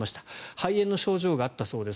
肺炎の症状があったそうです。